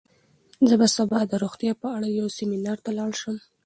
زه به سبا د روغتیا په اړه یو سیمینار ته لاړ شم.